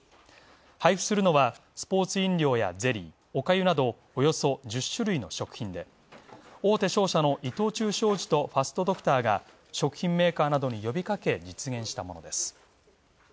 配布するのは、スポーツ飲料やゼリー、おかゆなどおよそ１０種類の食品で、大手商社の伊藤忠商事とファストドクターが食品メーカーなどによびかけ実現したものです。